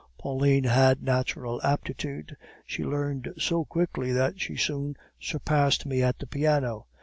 Pauline had natural aptitude; she learned so quickly, that she soon surpassed me at the piano.